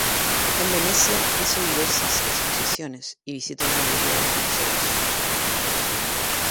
En Venecia hizo diversas exposiciones y visitó la mayoría de los museos.